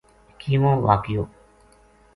اکیووں واقعو